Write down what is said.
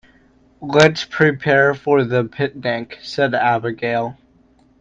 "Let's prepare for the picnic!", said Abigail.